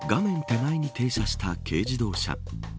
手前に停車した軽自動車。